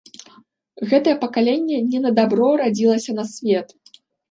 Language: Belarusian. Гэтае пакаленне не на дабро радзілася на свет.